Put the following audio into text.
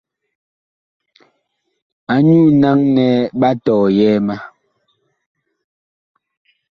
Anyuu naŋ nɛ ɓa tɔyɛɛ ma.